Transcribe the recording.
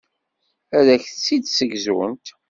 Ad ak-tt-id-ssegzunt.